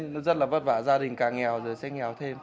nó rất là vất vả gia đình càng nghèo rồi sẽ nghèo thêm